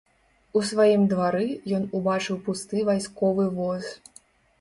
У сваім двары ён убачыў пусты вайсковы воз.